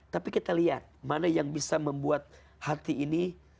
tapi kita lihat mana yang bisa membuat hati ini